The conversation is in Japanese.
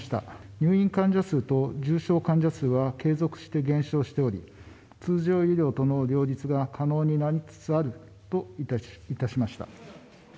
入院患者数と重症患者数は継続して減少しており、通常医療との両立が可能になりつつあるといたしました。